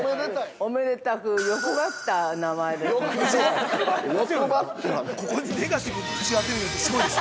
◆おめでたく欲張った名前ですね。